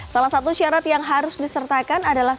salah satu syarat yang harus disertakan adalah